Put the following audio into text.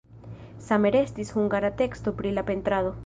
Same restis hungara teksto pri la pentrado.